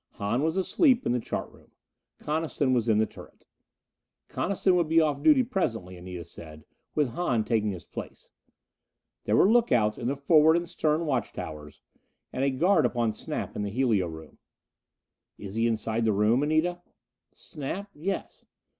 Hahn was asleep in the chart room; Coniston was in the turret. Coniston would be off duty presently, Anita said, with Hahn taking his place. There were look outs in the forward and stern watch towers, and a guard upon Snap in the helio room. "Is he inside the room, Anita?" "Snap? Yes."